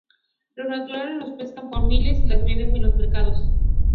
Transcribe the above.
Los naturales las pescan por miles y las venden en los mercados.